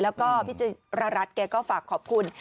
แล้วก็พี่จิรรัฐแกก็ฝากขอบคุณ